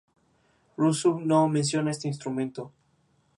Rousseau no menciona este instrumento.